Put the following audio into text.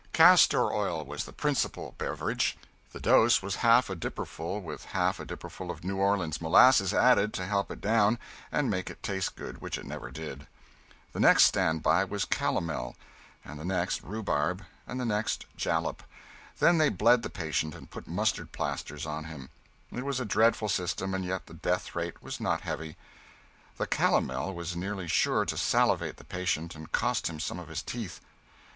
Castor oil was the principal beverage. The dose was half a dipperful, with half a dipperful of New Orleans molasses added to help it down and make it taste good, which it never did. The next standby was calomel; the next, rhubarb; and the next, jalap. Then they bled the patient, and put mustard plasters on him. It was a dreadful system, and yet the death rate was not heavy. The calomel was nearly sure to salivate the patient and cost him some of his teeth.